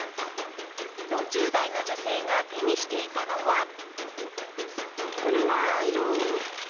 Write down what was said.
４０代の女性が手にしていたのは。